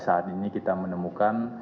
saat ini kita menemukan